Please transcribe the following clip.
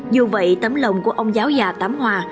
dù vậy tấm lòng của ông giáo già tám hòa